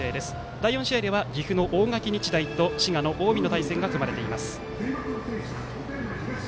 第４試合では岐阜の大垣日大と滋賀の近江の対戦が組まれています。